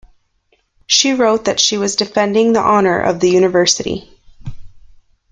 She wrote that she was defending the honour of the university.